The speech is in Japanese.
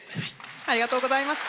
ありがとうございます。